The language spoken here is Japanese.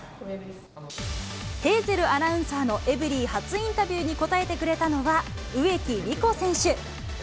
ヘイゼルアナウンサーのエブリィ初インタビューに答えてくれたのは、植木理子選手。